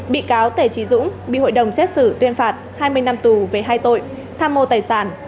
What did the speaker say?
bị cáo tể trí dũng bị hội đồng xét xử tuyên phạt hai mươi năm tù về hai tội tham mô tài sản